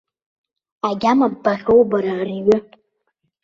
Агьама ббахьоу бара ари аҩы?